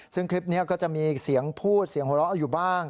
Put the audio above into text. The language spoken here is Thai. ซึ่งคลิปนี้ก็จะมีเสียงพูดเสียงหัวเราะอยู่บ้าง